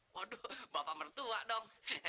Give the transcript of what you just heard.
waduh bapak mertua dong